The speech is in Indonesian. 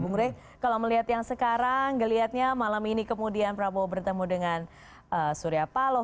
bung rey kalau melihat yang sekarang ngelihatnya malam ini kemudian prabowo bertemu dengan surya paloh